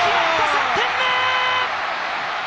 ３点目！